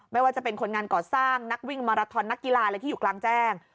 ไม่ว่าจะเป็นคนงานก่อสร้างนักวิ่งมาราทอนนักกีฬาอะไรที่อยู่กลางแจ้ง